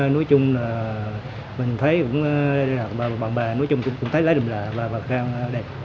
nhưng mình thấy bằng bề cũng thấy đùm lạ và đẹp